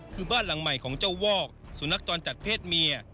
คือบ้านหลังใหม่ของเจ้าวอกสุนัขจรจัดเพศเมีย